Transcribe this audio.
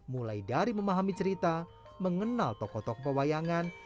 mulai dari memahami cerita mengenal tokoh tokoh pewayangan